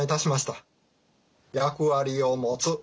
役割を持つ。